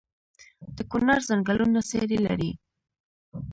د کونړ ځنګلونه څیړۍ لري؟